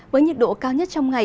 với nhiệt độ cao nhất trong ngày